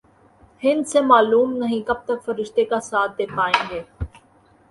ہندسے معلوم نہیں کب تک فرشتے کا ساتھ دے پائیں گے۔